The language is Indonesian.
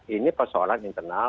ini persoalan internal